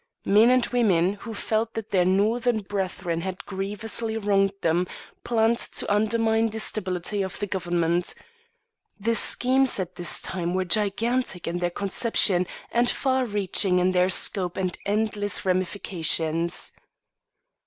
Men and women who felt that their Northern brethren had grievously wronged them planned to undermine the stability of the government. The schemes at this time were gigantic in their conception and far reaching in their scope and endless ramifications.